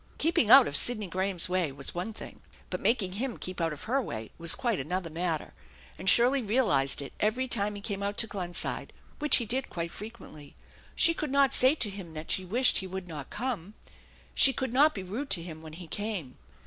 Keeping out of Sidney Graham's way was one thing, but making him keep out of her way was quite another matter, and Shirley realized it every time he came out to Glenside, which he did quite frequently. She could not say to him that she wished he would not come. She could not be rude to him. when he came.